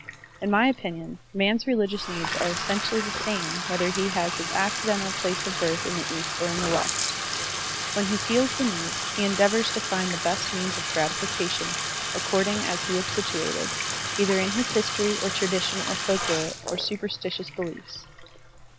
In my opinion, man's religious needs are essen tially the same whether he has his accidental 1 60 Digitized by Google KWANNON BOSATZ l6l place of birth in the East or in the West. When he feds the needs, he endeavors to find the best means of gratification according as he is situated, either in his history or tradition or folklore or superstitious beliefs.